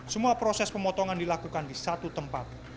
semua proses pemotongan dilakukan di satu tempat